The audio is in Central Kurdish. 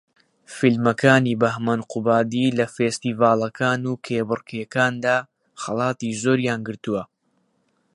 فیلمەکانی بەھمەن قوبادی لە فێستیڤاڵەکان و کێبەرکێکاندا خەڵاتی زۆریان گرتووە